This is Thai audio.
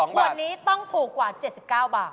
ขวดนี้ต้องถูกกว่า๗๙บาท